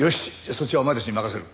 そっちはお前たちに任せる。